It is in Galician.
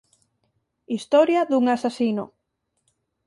Historia dun asasino".